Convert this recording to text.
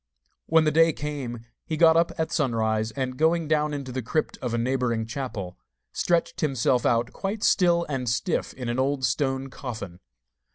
When the day came he got up at sunrise, and going down into the crypt of a neighbouring chapel, stretched himself out quite still and stiff in an old stone coffin.